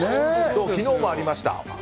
昨日もありました。